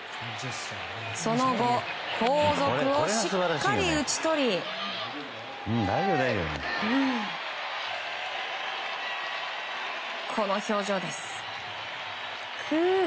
その後、後続をしっかり打ち取りこの表情です。